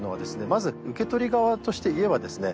まず受け取り側として言えばですね